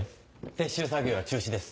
撤収作業は中止です。